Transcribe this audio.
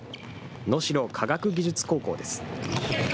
能代科学技術高校です。